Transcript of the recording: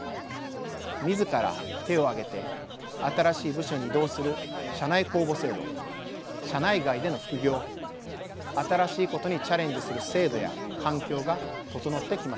自ら手を挙げて新しい部署に移動する社内公募制度社内外での副業新しいことにチャレンジする制度や環境が整ってきました。